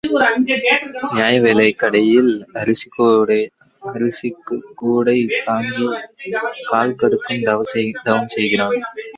நியாய விலைக் கடையில் அரிசிக்குக் கூடை தாங்கிக் கால்கடுக்கத் தவம் செய்கிறான்.